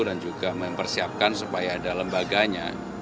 dan juga mempersiapkan supaya ada lembaganya